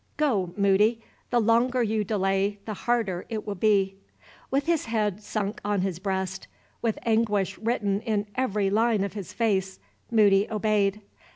Go, Moody! The longer you delay, the harder it will be." With his head sunk on his breast, with anguish written in every line of his face, Moody obeyed.